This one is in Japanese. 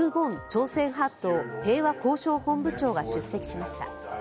朝鮮半島平和交渉本部長が出席しました。